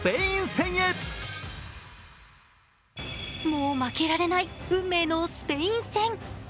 もう負けられない運命のスペイン戦。